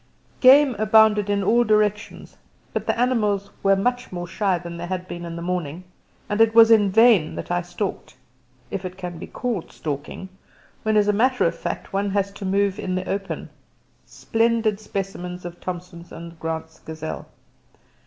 Game abounded in all directions, but the animals were much more shy than they had been in the morning, and it was in vain that I stalked if it can be called "stalking," when as a matter of fact one has to move in the open splendid specimens of Thomson's and Grant's gazelle.